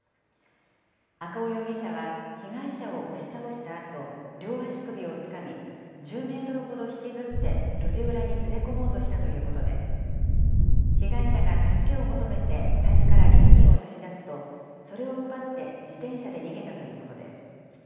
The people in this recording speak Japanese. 赤尾容疑者は被害者を押し倒したあと、両足首をつかみ、１０メートルほど引きずって、路地裏に連れ込もうとしたということで、被害者が助けを求めて財布から現金を差し出すと、それを奪って、自転車で逃げたということです。